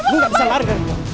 kamu gak bisa lari dari sini